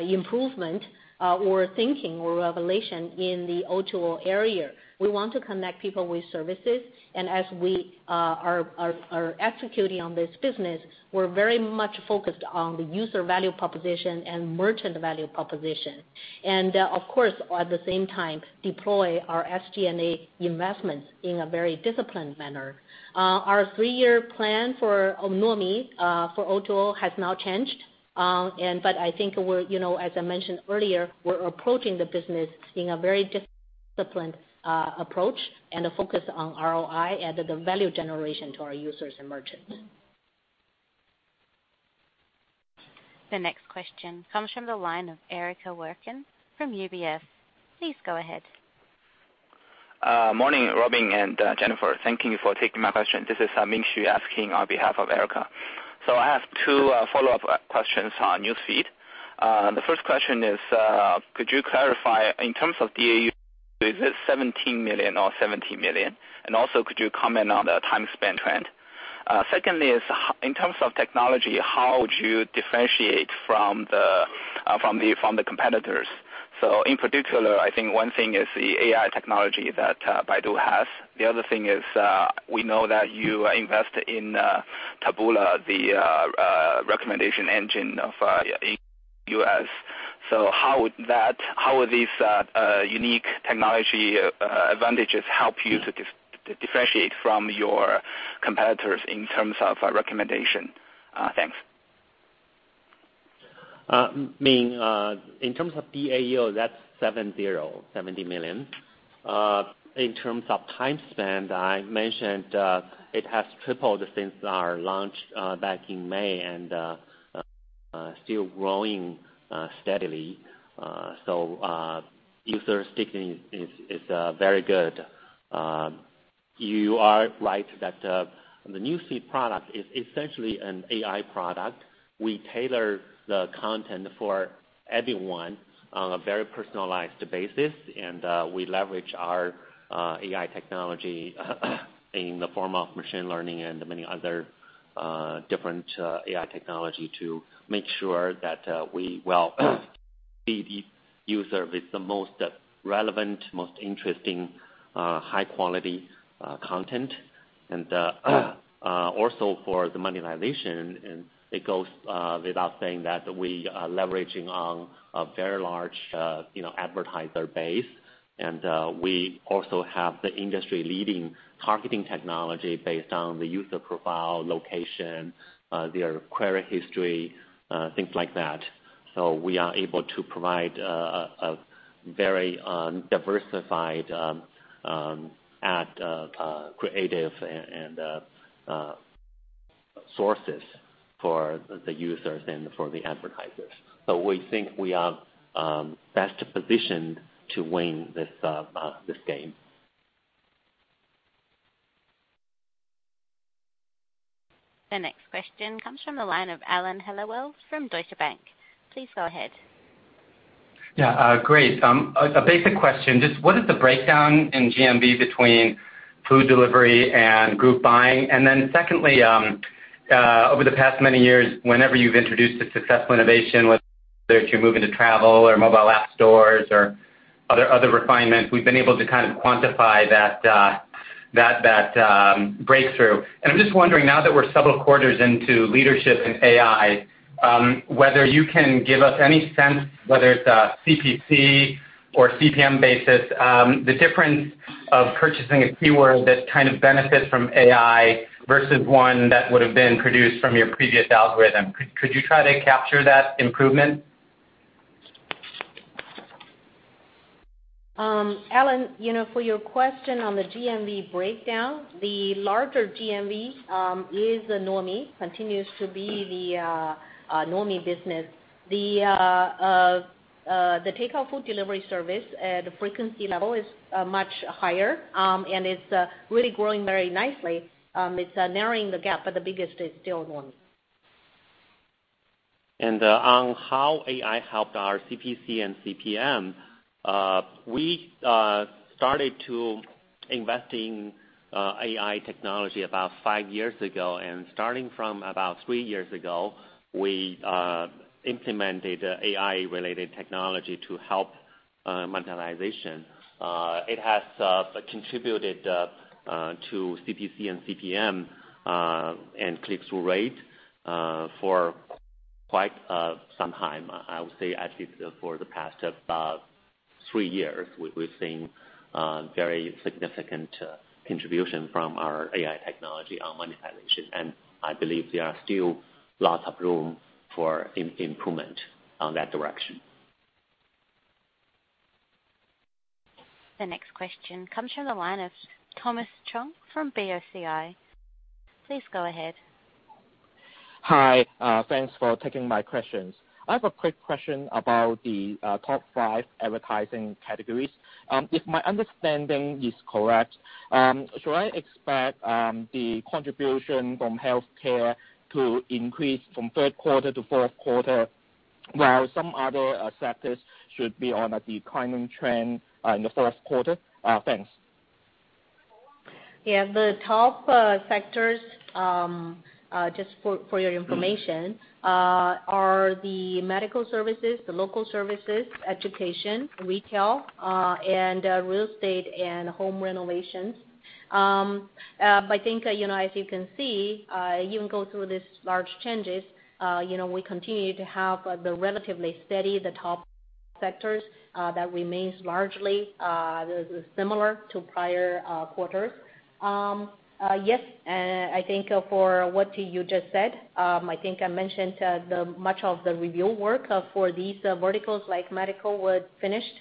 [SPEAKER 4] improvement or thinking or revelation in the O2O area. We want to connect people with services, as we are executing on this business, we're very much focused on the user value proposition and merchant value proposition. Of course, at the same time, deploy our SG&A investments in a very disciplined manner. Our three-year plan for Nuomi, for O2O, has not changed. I think as I mentioned earlier, we're approaching the business in a very disciplined approach and a focus on ROI and the value generation to our users and merchants.
[SPEAKER 1] The next question comes from the line of Erica Werkun from UBS. Please go ahead.
[SPEAKER 14] Morning, Robin and Jennifer. Thank you for taking my question. This is Ming Xu asking on behalf of Erica. I have two follow-up questions on Newsfeed. The first question is, could you clarify in terms of DAU, is it 17 million or 70 million? And also, could you comment on the time spend trend? Secondly, in terms of technology, how would you differentiate from the competitors. In particular, I think one thing is the AI technology that Baidu has. The other thing is, we know that you invest in Taboola, the recommendation engine of U.S. How these unique technology advantages help you to differentiate from your competitors in terms of recommendation? Thanks.
[SPEAKER 3] Ming, in terms of DAU, that's 70 million. In terms of time spend, I mentioned it has tripled since our launch back in May and still growing steadily. User sticking is very good. You are right that the Newsfeed product is essentially an AI product. We tailor the content for everyone on a very personalized basis, and we leverage our AI technology in the form of machine learning and many other different AI technology to make sure that we well feed each user with the most relevant, most interesting, high-quality content. Also for the monetization, it goes without saying that we are leveraging on a very large advertiser base. We also have the industry-leading targeting technology based on the user profile, location, their query history, things like that. We are able to provide a very diversified ad creative and sources for the users and for the advertisers. We think we are best positioned to win this game.
[SPEAKER 1] The next question comes from the line of Alan Hellawell from Deutsche Bank. Please go ahead.
[SPEAKER 15] Yeah. Great. A basic question. Just what is the breakdown in GMV between food delivery and group buying? Secondly, over the past many years, whenever you've introduced a successful innovation, whether it's you moving to travel or mobile app stores or other refinements, we've been able to kind of quantify that breakthrough. I'm just wondering, now that we're several quarters into leadership in AI, whether you can give us any sense, whether it's a CPC or CPM basis, the difference of purchasing a keyword that kind of benefits from AI versus one that would've been produced from your previous algorithm. Could you try to capture that improvement?
[SPEAKER 3] Alan, for your question on the GMV breakdown, the larger GMV is the Nuomi, continues to be the Nuomi business. The takeout food delivery service at a frequency level is much higher, and it's really growing very nicely. It's narrowing the gap, but the biggest is still Nuomi. On how AI helped our CPC and CPM, we started to invest in AI technology about five years ago. Starting from about three years ago, we implemented AI-related technology to help monetization. It has contributed to CPC and CPM, and click-through rate, for quite some time. I would say at least for the past three years, we've seen very significant contribution from our AI technology on monetization. I believe there are still lots of room for improvement on that direction.
[SPEAKER 1] The next question comes from the line of Thomas Chong from BOCI. Please go ahead.
[SPEAKER 16] Hi. Thanks for taking my questions. I have a quick question about the top five advertising categories. If my understanding is correct, should I expect the contribution from healthcare to increase from third quarter to fourth quarter, while some other sectors should be on a declining trend in the fourth quarter? Thanks.
[SPEAKER 3] Yeah. The top sectors, just for your information, are the medical services, the local services, education, retail, and real estate and home renovations. I think, as you can see, even go through these large changes, we continue to have the relatively steady, the top sectors, that remains largely similar to prior quarters. Yes, I think for what you just said, I think I mentioned much of the review work for these verticals, like medical, were finished,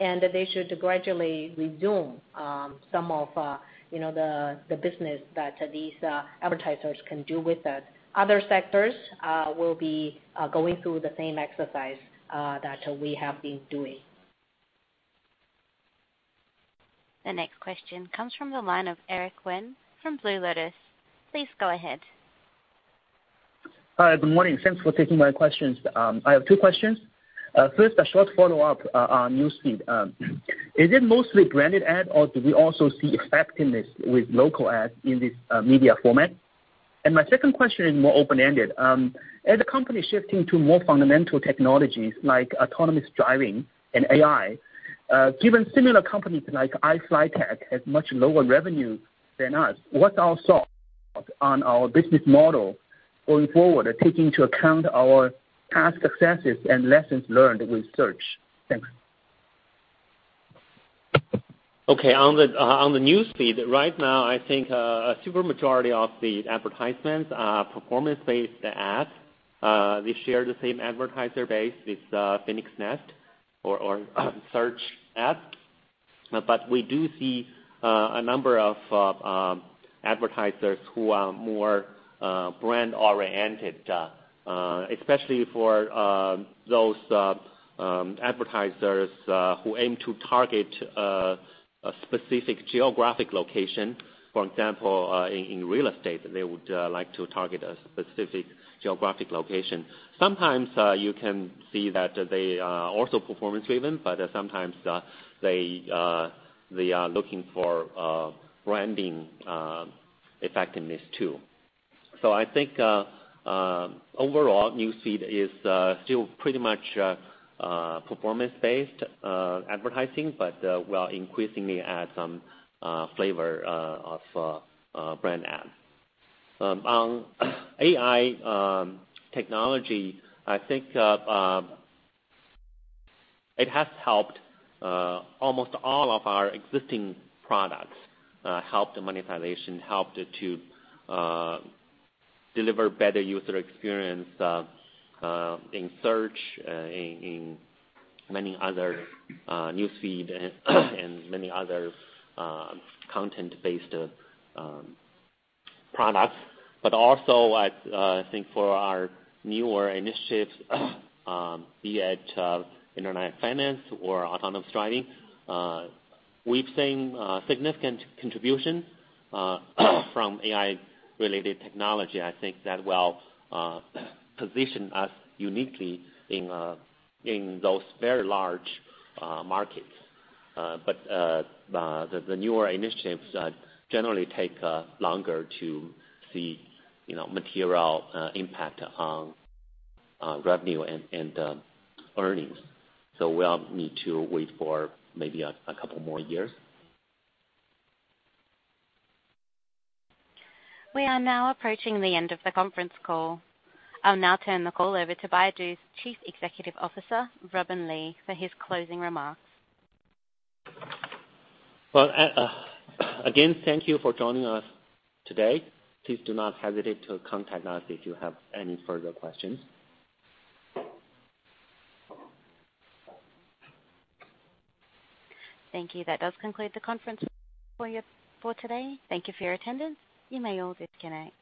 [SPEAKER 3] and they should gradually resume some of the business that these advertisers can do with that. Other sectors will be going through the same exercise that we have been doing.
[SPEAKER 1] The next question comes from the line of Eric Wen from Blue Lotus. Please go ahead.
[SPEAKER 17] Hi. Good morning. Thanks for taking my questions. I have two questions. First, a short follow-up on Newsfeed. Is it mostly branded ad, or do we also see effectiveness with local ads in this media format? My second question is more open-ended. As the company is shifting to more fundamental technologies like autonomous driving and AI, given similar companies like iFLYTEK has much lower revenue than us, what's our thought on our business model going forward, taking into account our past successes and lessons learned with search? Thanks.
[SPEAKER 3] Okay. On the Newsfeed, right now, I think a super majority of the advertisements are performance-based ads. They share the same advertiser base with Phoenix Nest or Search app. We do see a number of advertisers who are more brand-oriented, especially for those advertisers who aim to target a specific geographic location, for example, in real estate, they would like to target a specific geographic location. Sometimes you can see that they are also performance-driven, sometimes they are looking for branding effectiveness, too. I think overall, Newsfeed is still pretty much performance-based advertising, but we are increasingly add some flavor of brand ad. On AI technology, I think it has helped almost all of our existing products, helped the monetization, helped to deliver better user experience in search, in many other Newsfeed, and many other content-based products. Also, I think for our newer initiatives, be it internet finance or autonomous driving, we've seen significant contribution from AI-related technology. I think that will position us uniquely in those very large markets. The newer initiatives generally take longer to see material impact on revenue and earnings. We'll need to wait for maybe a couple more years.
[SPEAKER 1] We are now approaching the end of the conference call. I'll now turn the call over to Baidu's Chief Executive Officer, Robin Li, for his closing remarks.
[SPEAKER 3] Well, again, thank you for joining us today. Please do not hesitate to contact us if you have any further questions.
[SPEAKER 1] Thank you. That does conclude the conference for you for today. Thank you for your attendance. You may all disconnect.